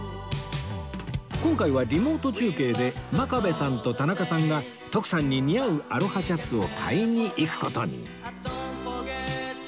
今回はリモート中継で真壁さんと田中さんが徳さんに似合うアロハシャツを買いに行く事に